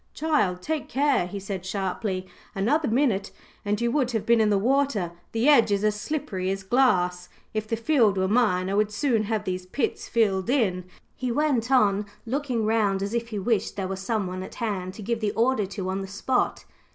"Child, take care," he said sharply, "another minute, and you would have been in the water. The edge is as slippery as glass. If the field were mine, I would soon have these pits filled in," he went on, looking round as if he wished there were some one at hand to give the order to on the spot.